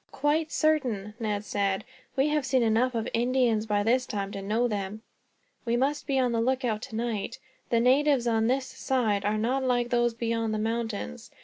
"Quite certain," Ned said. "We have seen enough of Indians, by this time, to know them. We must be on the lookout, tonight. The natives on this side are not like those beyond the mountains.